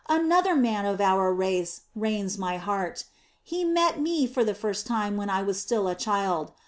Another man of our race reigns in my heart. He met me for the first time when I was still a child.